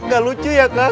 gak lucu ya kak